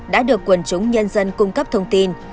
đã được quần chúng nhân dân cung cấp thông tin